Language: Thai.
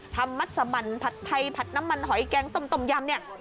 ทำมัสมันผัดไทยผัดน้ำมันหอยแกงสมต้มยำ